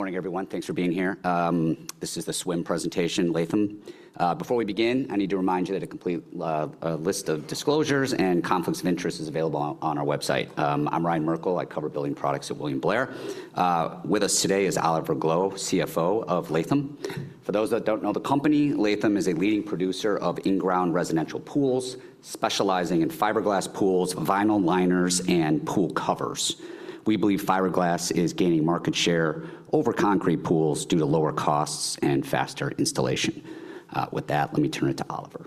Morning, everyone. Thanks for being here. This is the Swimm Presentation, Latham. Before we begin, I need to remind you that a complete list of disclosures and conflicts of interest is available on our website. I'm Ryan Merkel. I cover building products at William Blair. With us today is Oliver Gloe, CFO of Latham. For those that don't know the company, Latham is a leading producer of in-ground residential pools, specializing in fiberglass pools, vinyl liners, and pool covers. We believe fiberglass is gaining market share over concrete pools due to lower costs and faster installation. With that, let me turn it to Oliver.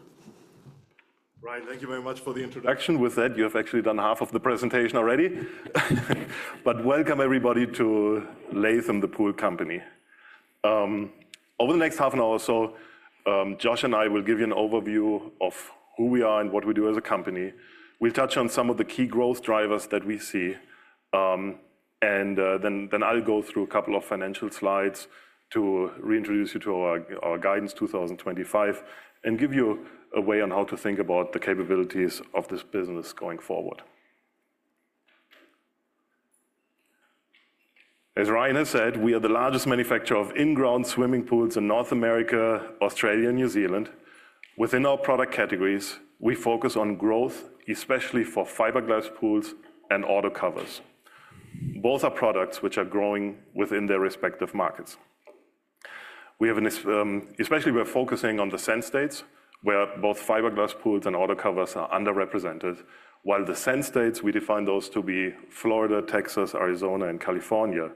Ryan, thank you very much for the introduction. With that, you have actually done half of the presentation already. Welcome, everybody, to Latham, the pool company. Over the next half an hour or so, Josh and I will give you an overview of who we are and what we do as a company. We will touch on some of the key growth drivers that we see. I will go through a couple of financial slides to reintroduce you to our guidance 2025 and give you a way on how to think about the capabilities of this business going forward. As Ryan has said, we are the largest manufacturer of in-ground swimming pools in North America, Australia, and New Zealand. Within our product categories, we focus on growth, especially for fiberglass pools and auto covers. Both are products which are growing within their respective markets. We have an especially we're focusing on the sun states, where both fiberglass pools and auto covers are underrepresented, while the sun states, we define those to be Florida, Texas, Arizona, and California,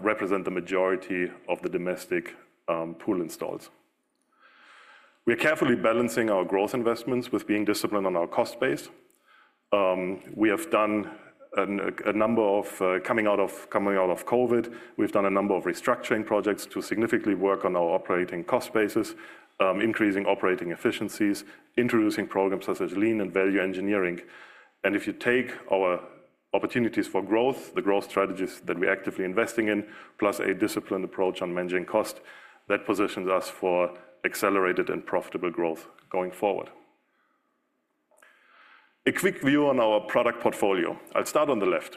represent the majority of the domestic pool installs. We are carefully balancing our growth investments with being disciplined on our cost base. We have done a number of coming out of COVID. We've done a number of restructuring projects to significantly work on our operating cost basis, increasing operating efficiencies, introducing programs such as lean and value engineering. If you take our opportunities for growth, the growth strategies that we're actively investing in, plus a disciplined approach on managing cost, that positions us for accelerated and profitable growth going forward. A quick view on our product portfolio. I'll start on the left.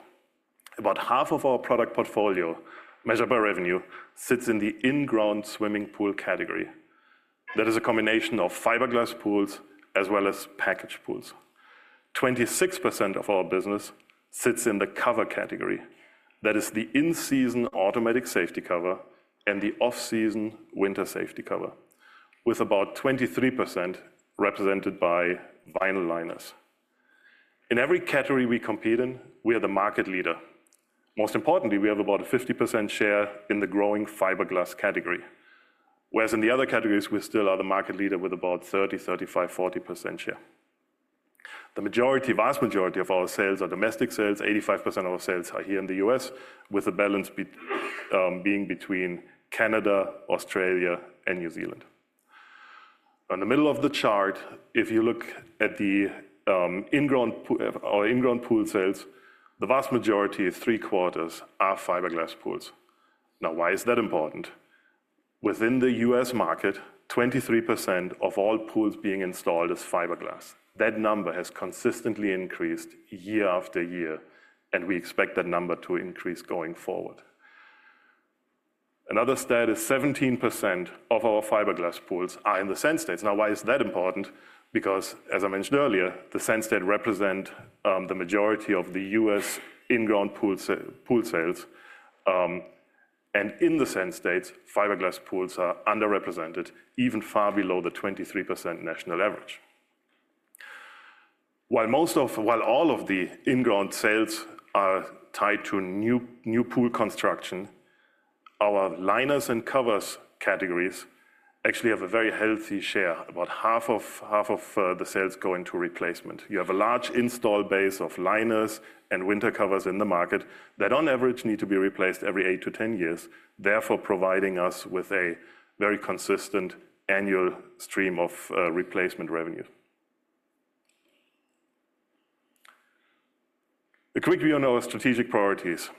About half of our product portfolio, measured by revenue, sits in the in-ground swimming pool category. That is a combination of fiberglass pools as well as package pools. 26% of our business sits in the cover category. That is the in-season automatic safety cover and the off-season winter safety cover, with about 23% represented by vinyl liners. In every category we compete in, we are the market leader. Most importantly, we have about a 50% share in the growing fiberglass category, whereas in the other categories, we still are the market leader with about 30%, 35%, 40% share. The majority, vast majority of our sales are domestic sales. 85% of our sales are here in the U.S., with the balance being between Canada, Australia, and New Zealand. In the middle of the chart, if you look at the in-ground pool sales, the vast majority, three-quarters, are fiberglass pools. Now, why is that important? Within the U.S. market, 23% of all pools being installed is fiberglass. That number has consistently increased year after year, and we expect that number to increase going forward. Another stat is 17% of our fiberglass pools are in the sun states. Now, why is that important? Because, as I mentioned earlier, the sun states represent the majority of the U.S. in-ground pool sales. In the sun states, fiberglass pools are underrepresented, even far below the 23% national average. While all of the in-ground sales are tied to new pool construction, our liners and covers categories actually have a very healthy share. About half of the sales go into replacement. You have a large install base of liners and winter covers in the market that, on average, need to be replaced every 8-10 years, therefore providing us with a very consistent annual stream of replacement revenue. A quick view on our strategic priorities.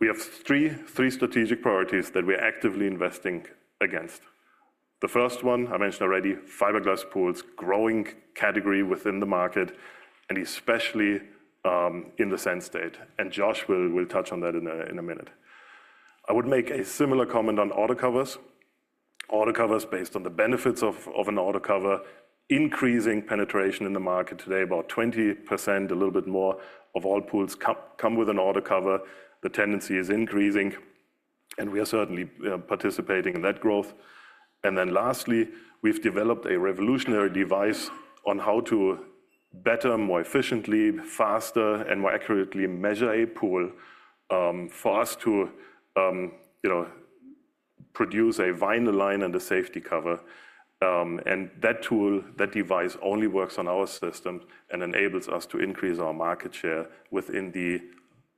We have three strategic priorities that we're actively investing against. The first one, I mentioned already, fiberglass pools, growing category within the market, and especially in the sun state. Josh will touch on that in a minute. I would make a similar comment on auto covers. Auto covers, based on the benefits of an auto cover, increasing penetration in the market today, about 20%, a little bit more of all pools come with an auto cover. The tendency is increasing, and we are certainly participating in that growth. Lastly, we have developed a revolutionary device on how to better, more efficiently, faster, and more accurately measure a pool for us to produce a vinyl liner and a safety cover. That tool, that device only works on our system and enables us to increase our market share within the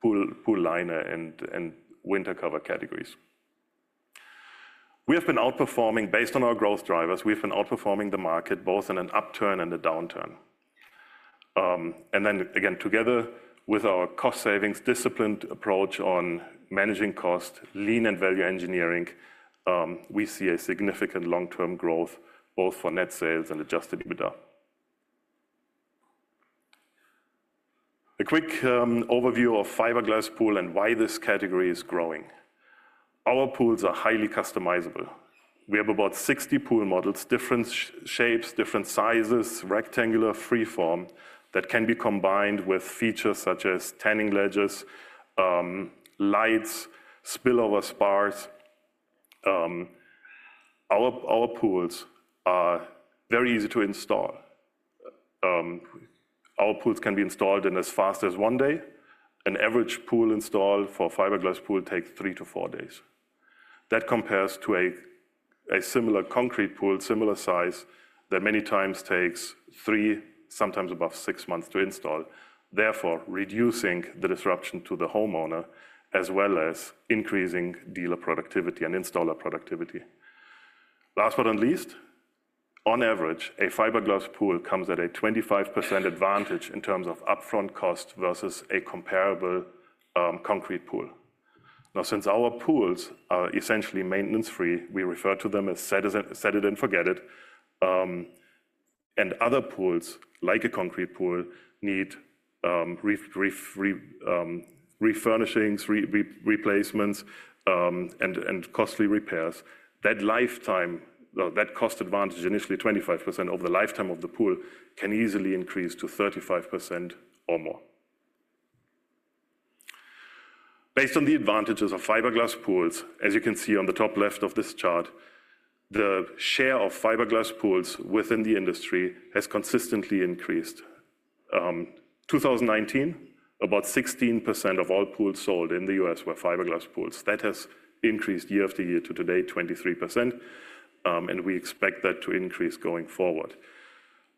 pool liner and winter cover categories. We have been outperforming based on our growth drivers. We have been outperforming the market both in an upturn and a downturn. Together with our cost savings, disciplined approach on managing cost, lean and value engineering, we see significant long-term growth both for net sales and adjusted EBITDA. A quick overview of fiberglass pools and why this category is growing. Our pools are highly customizable. We have about 60 pool models, different shapes, different sizes, rectangular, free form, that can be combined with features such as tanning ledges, lights, spillover spas. Our pools are very easy to install. Our pools can be installed in as fast as one day. An average pool install for a fiberglass pool takes three to four days. That compares to a similar concrete pool, similar size, that many times takes three, sometimes above six months to install, therefore reducing the disruption to the homeowner as well as increasing dealer productivity and installer productivity. Last but not least, on average, a fiberglass pool comes at a 25% advantage in terms of upfront cost versus a comparable concrete pool. Now, since our pools are essentially maintenance-free, we refer to them as set it and forget it. Other pools, like a concrete pool, need refurnishings, replacements, and costly repairs. That cost advantage, initially 25% over the lifetime of the pool, can easily increase to 35% or more. Based on the advantages of fiberglass pools, as you can see on the top left of this chart, the share of fiberglass pools within the industry has consistently increased. In 2019, about 16% of all pools sold in the U.S. were fiberglass pools. That has increased year after year to today, 23%. We expect that to increase going forward.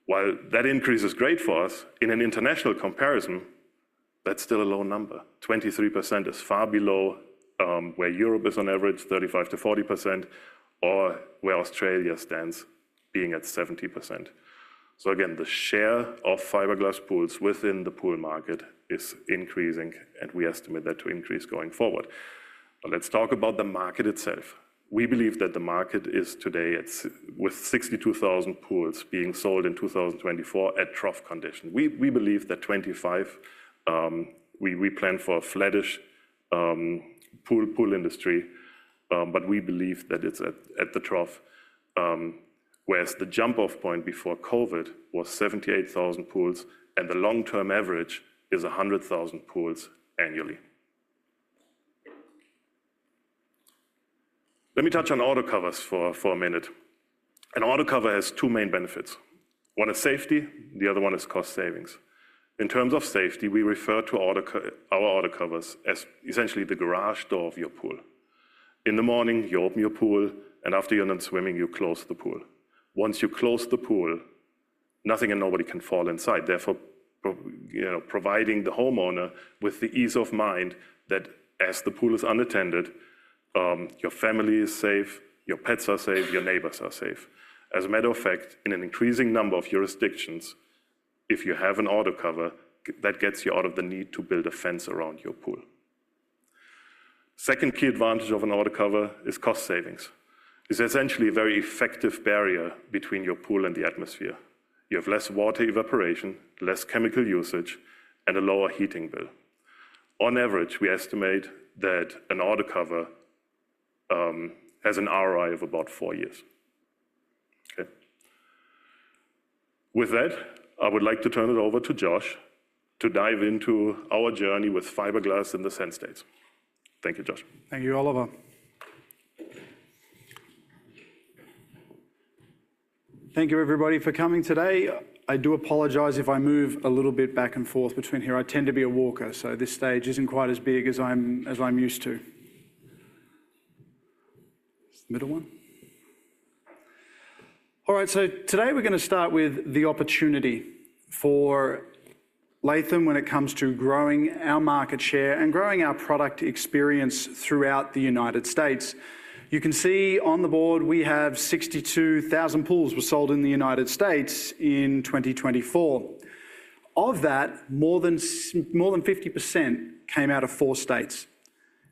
While that increase is great for us, in an international comparison, that's still a low number. 23% is far below where Europe is on average, 35% to 40%, or where Australia stands, being at 70%. The share of fiberglass pools within the pool market is increasing, and we estimate that to increase going forward. Let's talk about the market itself. We believe that the market is today with 62,000 pools being sold in 2024 at trough condition. We believe that 25, we plan for a flattish pool industry, but we believe that it's at the trough, whereas the jump-off point before COVID was 78,000 pools, and the long-term average is 100,000 pools annually. Let me touch on auto covers for a minute. An auto cover has two main benefits. One is safety. The other one is cost savings. In terms of safety, we refer to our auto covers as essentially the garage door of your pool. In the morning, you open your pool, and after you're done swimming, you close the pool. Once you close the pool, nothing and nobody can fall inside. Therefore, providing the homeowner with the ease of mind that as the pool is unattended, your family is safe, your pets are safe, your neighbors are safe. As a matter of fact, in an increasing number of jurisdictions, if you have an auto cover, that gets you out of the need to build a fence around your pool. Second key advantage of an auto cover is cost savings. It's essentially a very effective barrier between your pool and the atmosphere. You have less water evaporation, less chemical usage, and a lower heating bill. On average, we estimate that an auto cover has an ROI of about four years. With that, I would like to turn it over to Josh to dive into our journey with fiberglass in the Sun states. Thank you, Josh. Thank you, Oliver. Thank you, everybody, for coming today. I do apologize if I move a little bit back and forth between here. I tend to be a walker, so this stage is not quite as big as I'm used to. Middle one. All right, today we're going to start with the opportunity for Latham when it comes to growing our market share and growing our product experience throughout the United States. You can see on the board we have 62,000 pools were sold in the United States in 2024. Of that, more than 50% came out of four states,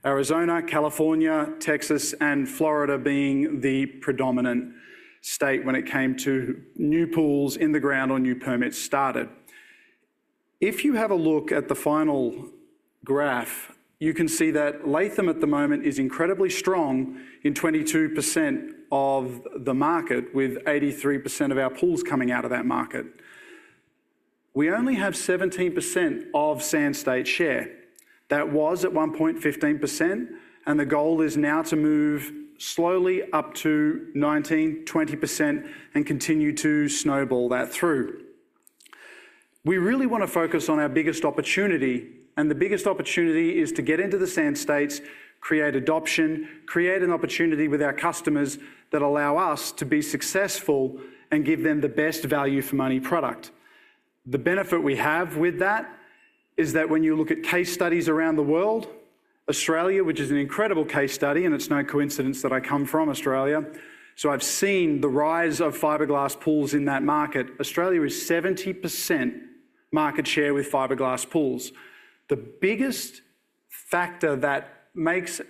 Arizona, California, Texas, and Florida being the predominant state when it came to new pools in the ground or new permits started. If you have a look at the final graph, you can see that Latham at the moment is incredibly strong in 22% of the market, with 83% of our pools coming out of that market. We only have 17% of Sun State share. That was at 1.15%, and the goal is now to move slowly up to 19% to 20% and continue to snowball that through. We really want to focus on our biggest opportunity, and the biggest opportunity is to get into the Sun States, create adoption, create an opportunity with our customers that allow us to be successful and give them the best value for money product. The benefit we have with that is that when you look at case studies around the world, Australia, which is an incredible case study, and it's no coincidence that I come from Australia, so I've seen the rise of fiberglass pools in that market. Australia is 70% market share with fiberglass pools. The biggest factor that makes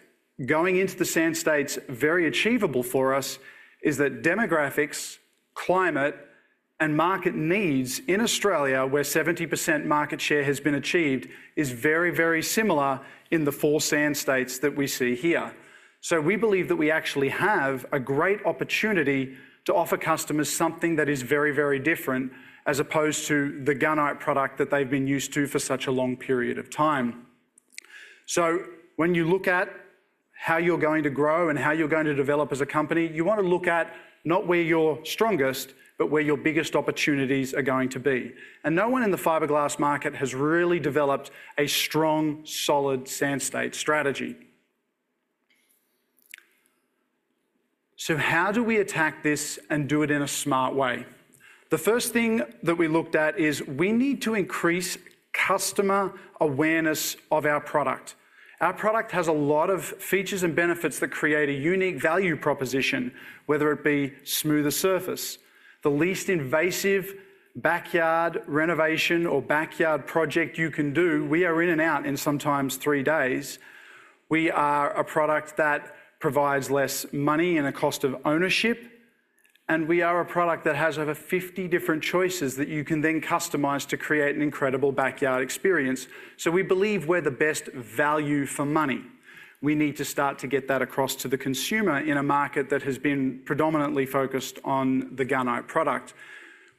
going into the Sun states very achievable for us is that demographics, climate, and market needs in Australia, where 70% market share has been achieved, is very, very similar in the four Sun states that we see here. We believe that we actually have a great opportunity to offer customers something that is very, very different as opposed to the gunite product that they've been used to for such a long period of time. When you look at how you're going to grow and how you're going to develop as a company, you want to look at not where you're strongest, but where your biggest opportunities are going to be. No one in the fiberglass market has really developed a strong, solid Sun state strategy. How do we attack this and do it in a smart way? The first thing that we looked at is we need to increase customer awareness of our product. Our product has a lot of features and benefits that create a unique value proposition, whether it be smoother surface, the least invasive backyard renovation or backyard project you can do. We are in and out in sometimes three days. We are a product that provides less money and a cost of ownership, and we are a product that has over 50 different choices that you can then customize to create an incredible backyard experience. We believe we're the best value for money. We need to start to get that across to the consumer in a market that has been predominantly focused on the gunite product.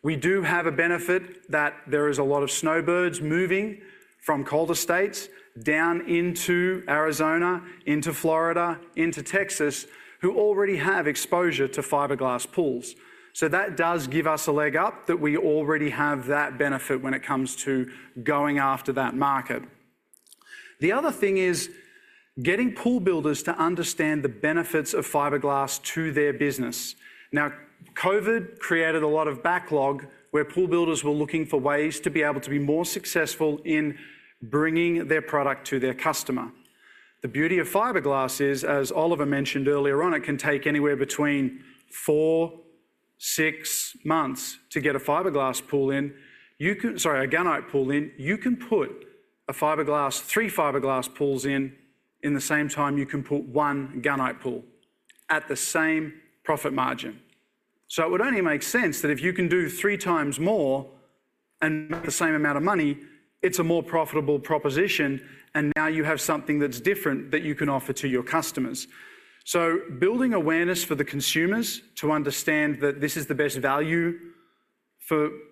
We do have a benefit that there is a lot of snowbirds moving from colder states down into Arizona, into Florida, into Texas, who already have exposure to fiberglass pools. That does give us a leg up that we already have that benefit when it comes to going after that market. The other thing is getting pool builders to understand the benefits of fiberglass to their business. Now, COVID created a lot of backlog where pool builders were looking for ways to be able to be more successful in bringing their product to their customer. The beauty of fiberglass is, as Oliver mentioned earlier on, it can take anywhere between four, six months to get a gunite pool in. You can put three fiberglass pools in in the same time you can put one gunite pool at the same profit margin. It would only make sense that if you can do three times more and the same amount of money, it's a more profitable proposition, and now you have something that's different that you can offer to your customers. Building awareness for the consumers to understand that this is the best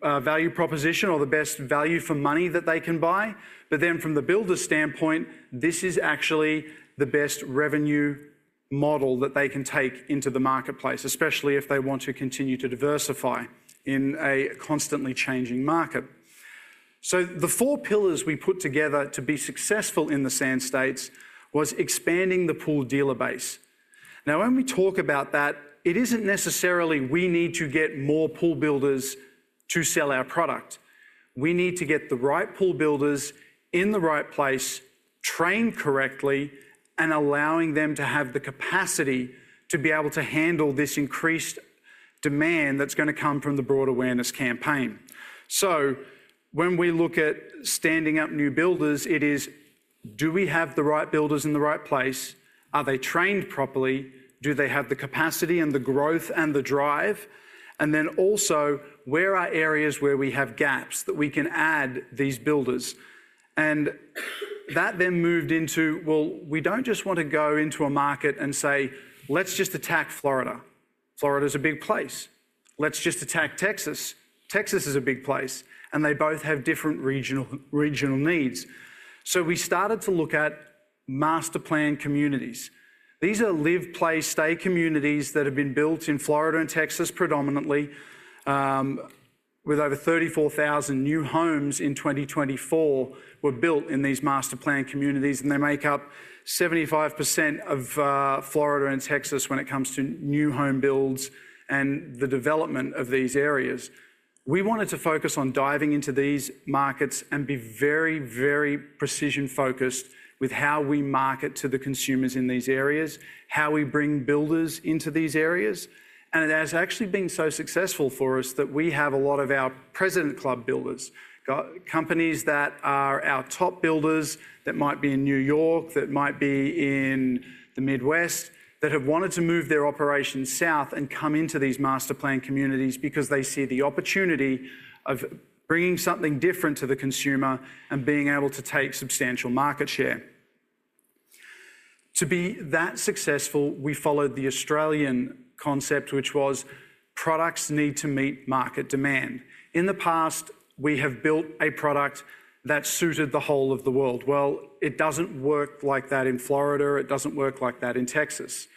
value proposition or the best value for money that they can buy, but then from the builder's standpoint, this is actually the best revenue model that they can take into the marketplace, especially if they want to continue to diversify in a constantly changing market. The four pillars we put together to be successful in the sun states was expanding the pool dealer base. Now, when we talk about that, it isn't necessarily we need to get more pool builders to sell our product. We need to get the right pool builders in the right place, trained correctly, and allowing them to have the capacity to be able to handle this increased demand that's going to come from the broad awareness campaign. When we look at standing up new builders, it is, do we have the right builders in the right place? Are they trained properly? Do they have the capacity and the growth and the drive? Also, where are areas where we have gaps that we can add these builders? That then moved into, we do not just want to go into a market and say, let's just attack Florida. Florida is a big place. Let's just attack Texas. Texas is a big place, and they both have different regional needs. We started to look at master plan communities. These are live-play-stay communities that have been built in Florida and Texas predominantly, with over 34,000 new homes in 2024 were built in these master plan communities, and they make up 75% of Florida and Texas when it comes to new home builds and the development of these areas. We wanted to focus on diving into these markets and be very, very precision-focused with how we market to the consumers in these areas, how we bring builders into these areas. It has actually been so successful for us that we have a lot of our President Club builders, companies that are our top builders that might be in New York, that might be in the Midwest, that have wanted to move their operations south and come into these master plan communities because they see the opportunity of bringing something different to the consumer and being able to take substantial market share. To be that successful, we followed the Australian concept, which was products need to meet market demand. In the past, we have built a product that suited the whole of the world. It does not work like that in Florida. It does not work like that in Texas.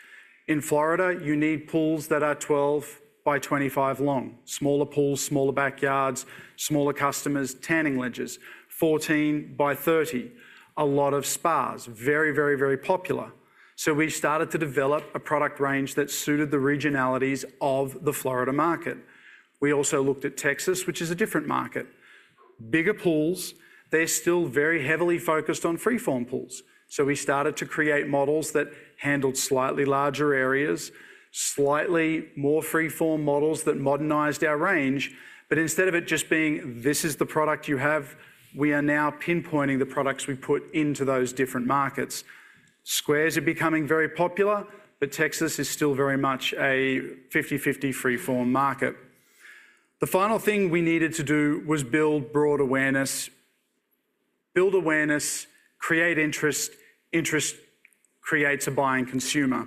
In Florida, you need pools that are 12 by 25 long, smaller pools, smaller backyards, smaller customers, tanning ledges, 14 by 30, a lot of spas, very, very, very popular. We started to develop a product range that suited the regionalities of the Florida market. We also looked at Texas, which is a different market. Bigger pools, they're still very heavily focused on freeform pools. We started to create models that handled slightly larger areas, slightly more freeform models that modernized our range. Instead of it just being, this is the product you have, we are now pinpointing the products we put into those different markets. Squares are becoming very popular, but Texas is still very much a 50/50 freeform market. The final thing we needed to do was build broad awareness, build awareness, create interest. Interest creates a buying consumer.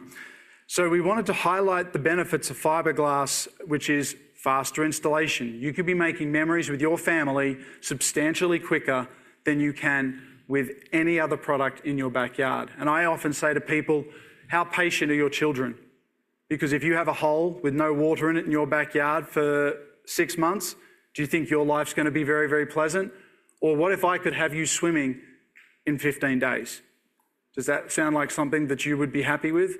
We wanted to highlight the benefits of fiberglass, which is faster installation. You could be making memories with your family substantially quicker than you can with any other product in your backyard. I often say to people, how patient are your children? Because if you have a hole with no water in it in your backyard for six months, do you think your life's going to be very, very pleasant? What if I could have you swimming in 15 days? Does that sound like something that you would be happy with?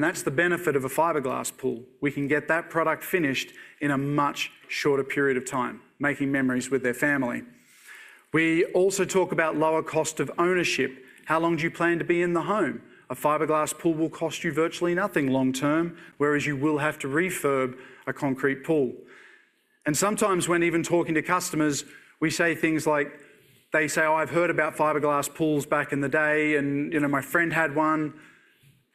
That's the benefit of a fiberglass pool. We can get that product finished in a much shorter period of time, making memories with their family. We also talk about lower cost of ownership. How long do you plan to be in the home? A fiberglass pool will cost you virtually nothing long term, whereas you will have to refurb a concrete pool. Sometimes when even talking to customers, we say things like, they say, oh, I have heard about fiberglass pools back in the day, and my friend had one.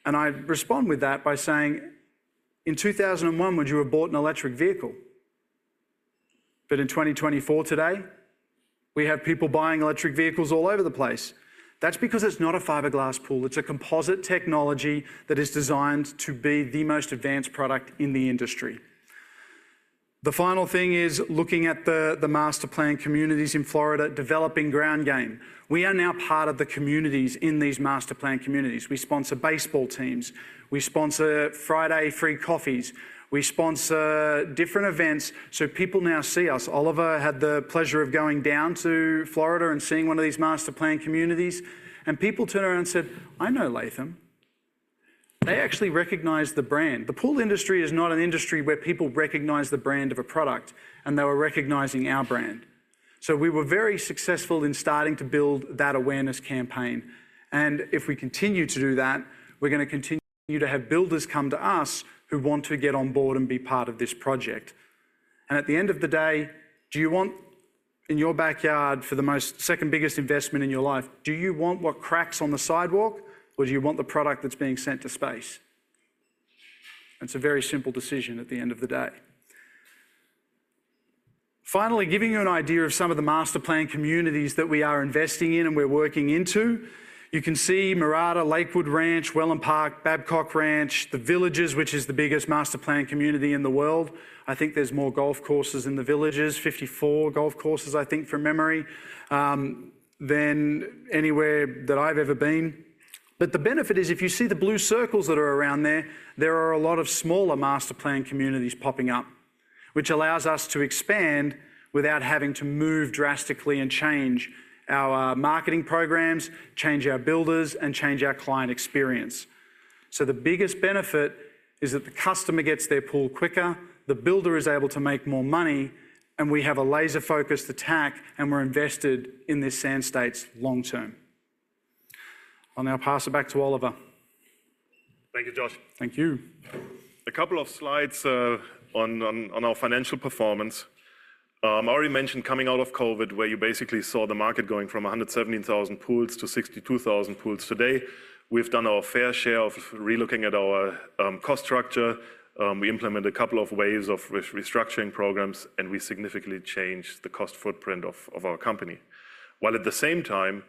I respond with that by saying, in 2001, would you have bought an electric vehicle? In 2024 today, we have people buying electric vehicles all over the place. That is because it is not a fiberglass pool. It is a composite technology that is designed to be the most advanced product in the industry. The final thing is looking at the master plan communities in Florida, developing ground game. We are now part of the communities in these master plan communities. We sponsor baseball teams. We sponsor Friday free coffees. We sponsor different events. People now see us. Oliver had the pleasure of going down to Florida and seeing one of these master plan communities. People turned around and said, I know Latham. They actually recognized the brand. The pool industry is not an industry where people recognize the brand of a product, and they were recognizing our brand. We were very successful in starting to build that awareness campaign. If we continue to do that, we're going to continue to have builders come to us who want to get on board and be part of this project. At the end of the day, do you want in your backyard for the second biggest investment in your life, do you want what cracks on the sidewalk, or do you want the product that's being sent to space? It's a very simple decision at the end of the day. Finally, giving you an idea of some of the master plan communities that we are investing in and we're working into, you can see Mirada, Lakewood Ranch, Wellen Park, Babcock Ranch, The Villages, which is the biggest master plan community in the world. I think there's more golf courses in The Villages, 54 golf courses, I think, from memory than anywhere that I've ever been. The benefit is if you see the blue circles that are around there, there are a lot of smaller master plan communities popping up, which allows us to expand without having to move drastically and change our marketing programs, change our builders, and change our client experience. The biggest benefit is that the customer gets their pool quicker, the builder is able to make more money, and we have a laser-focused attack, and we're invested in these Sun states long term. I'll now pass it back to Oliver. Thank you, Josh. Thank you. A couple of slides on our financial performance. I already mentioned coming out of COVID, where you basically saw the market going from 117,000 pools to 62,000 pools today. We've done our fair share of relooking at our cost structure. We implemented a couple of waves of restructuring programs, and we significantly changed the cost footprint of our company. While at the same time,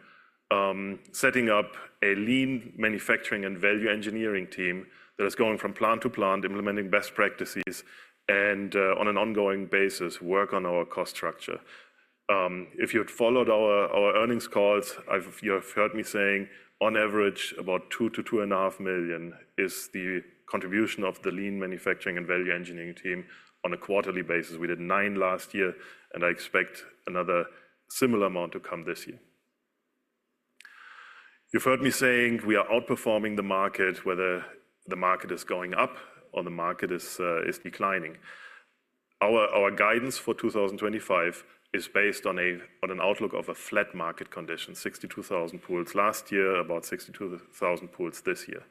setting up a lean manufacturing and value engineering team that is going from plant to plant, implementing best practices, and on an ongoing basis, work on our cost structure. If you had followed our earnings calls, you have heard me saying on average about $2 million to $2.5 million is the contribution of the lean manufacturing and value engineering team on a quarterly basis. We did $9 million last year, and I expect another similar amount to come this year. You've heard me saying we are outperforming the market, whether the market is going up or the market is declining. Our guidance for 2025 is based on an outlook of a flat market condition, 62,000 pools last year, about 62,000 pools this year.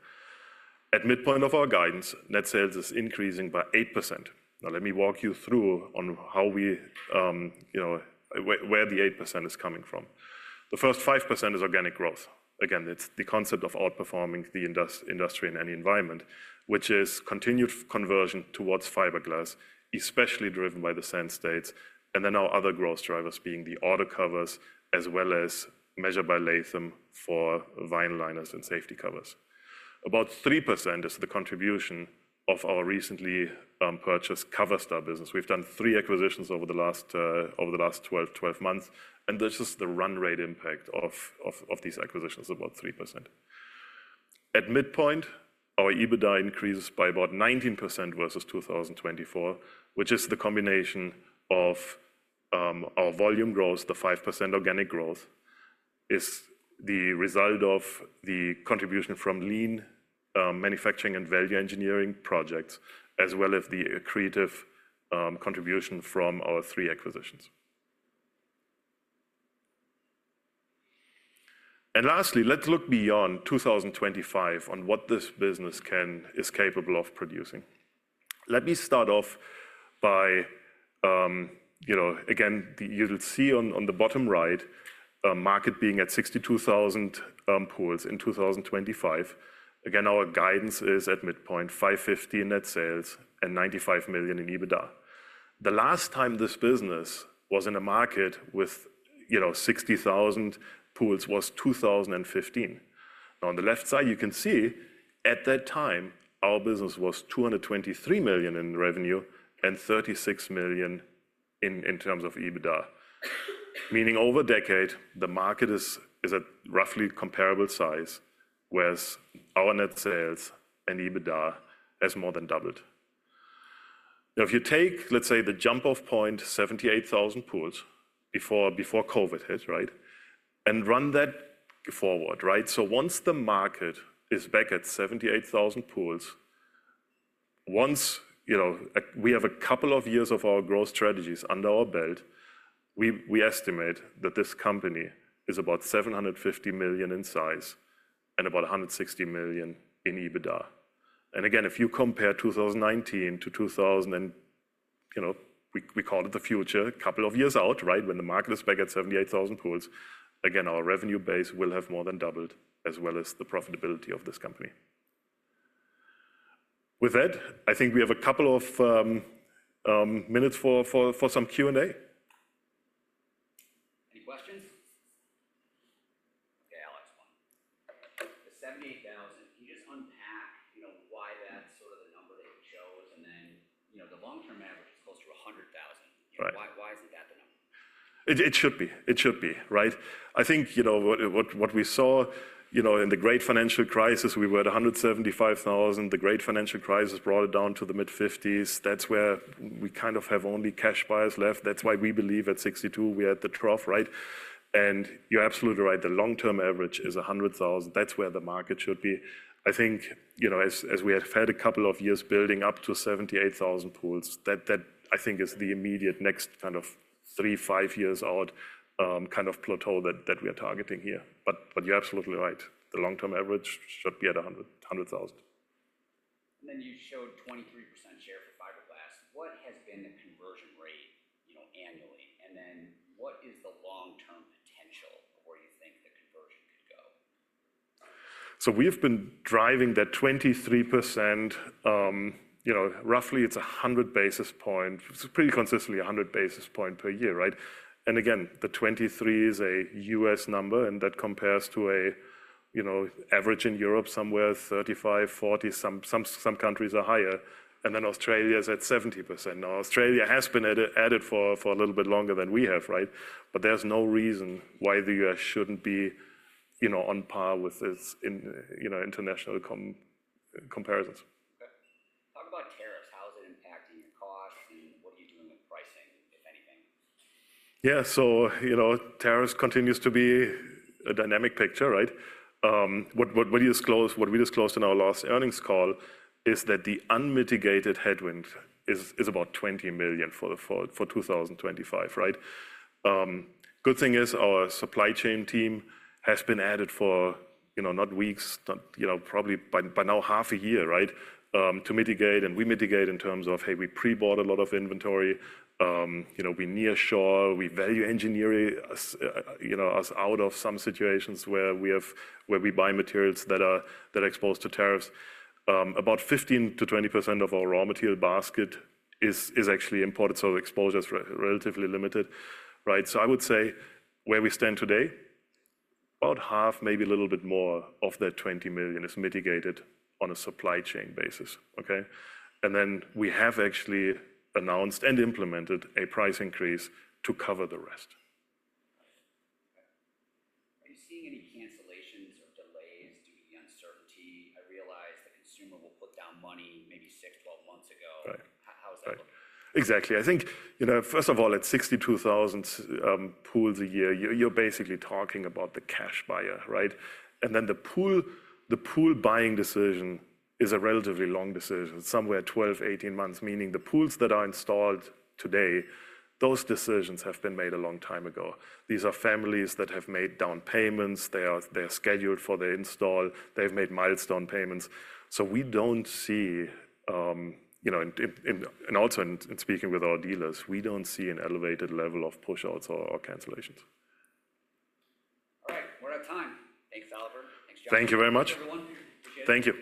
At midpoint of our guidance, net sales is increasing by 8%. Now, let me walk you through on how we where the 8% is coming from. The first 5% is organic growth. Again, it's the concept of outperforming the industry in any environment, which is continued conversion towards fiberglass, especially driven by the sun states, and then our other growth drivers being the auto covers, as well as Measure by Latham for vinyl liners and safety covers. About 3% is the contribution of our recently purchased CoverStar business. We've done three acquisitions over the last 12 months, and this is the run rate impact of these acquisitions, about 3%. At midpoint, our EBITDA increases by about 19% versus 2024, which is the combination of our volume growth, the 5% organic growth, is the result of the contribution from lean manufacturing and value engineering projects, as well as the accretive contribution from our three acquisitions. Lastly, let's look beyond 2025 on what this business is capable of producing. Let me start off by, again, you'll see on the bottom right, market being at 62,000 pools in 2025. Again, our guidance is at midpoint, $550 million in net sales and $95 million in EBITDA. The last time this business was in a market with 60,000 pools was 2015. Now, on the left side, you can see at that time, our business was $223 million in revenue and $36 million in terms of EBITDA, meaning over a decade, the market is at roughly comparable size, whereas our net sales and EBITDA has more than doubled. Now, if you take, let's say, the jump-off point, 78,000 pools before COVID hit, right, and run that forward, right? Once the market is back at 78,000 pools, once we have a couple of years of our growth strategies under our belt, we estimate that this company is about $750 million in size and about $160 million in EBITDA. If you compare 2019 to 2000, and we call it the future, a couple of years out, right, when the market is back at 78,000 pools, our revenue base will have more than doubled, as well as the profitability of this company. With that, I think we have a couple of minutes for some Q&A. Any questions? Okay, Alex, the 78,000, can you just unpack why that's sort of the number that you chose? And then the long-term average is close to 100,000. Why isn't that the number? It should be. It should be, right? I think what we saw in the great financial crisis, we were at 175,000. The great financial crisis brought it down to the mid-50s. That's where we kind of have only cash buyers left. That's why we believe at 62 we had the trough, right? And you're absolutely right. The long-term average is 100,000. That's where the market should be. I think as we had fed a couple of years building up to 78,000 pools, that I think is the immediate next kind of three, five years out kind of plateau that we are targeting here. But you're absolutely right. The long-term average should be at 100,000. You showed 23% share for fiberglass. What has been the conversion rate annually? What is the long-term potential of where you think the conversion could go? We have been driving that 23%. Roughly, it's 100 basis points. It's pretty consistently 100 basis points per year, right? The 23 is a U.S. number, and that compares to an average in Europe somewhere 35% to 40%. Some countries are higher. Australia is at 70%. Australia has been at it for a little bit longer than we have, right? There is no reason why the U.S. shouldn't be on par with this in international comparisons. Talk about tariffs. How is it impacting your cost? What are you doing with pricing, if anything? Yeah, so tariffs continue to be a dynamic picture, right? What we disclosed in our last earnings call is that the unmitigated headwind is about $20 million for 2025, right? Good thing is our supply chain team has been at it for not weeks, probably by now half a year, right, to mitigate. And we mitigate in terms of, hey, we pre-board a lot of inventory. We nearshore, we value engineer us out of some situations where we buy materials that are exposed to tariffs. About 15% to 20% of our raw material basket is actually imported. So exposure is relatively limited, right? I would say where we stand today, about half, maybe a little bit more of that $20 million is mitigated on a supply chain basis, okay? We have actually announced and implemented a price increase to cover the rest. Are you seeing any cancellations or delays due to the uncertainty? I realize the consumer will put down money maybe six, twelve months ago. How is that looking? Exactly. I think, first of all, at 62,000 pools a year, you're basically talking about the cash buyer, right? The pool buying decision is a relatively long decision, somewhere 12to18 months, meaning the pools that are installed today, those decisions have been made a long time ago. These are families that have made down payments. They are scheduled for the install. They've made milestone payments. We don't see, and also in speaking with our dealers, we don't see an elevated level of push-outs or cancellations. All right, we're out of time. Thanks, Oliver. Thanks, Josh. Thank you very much. Thank you, everyone. Appreciate it. Thank you.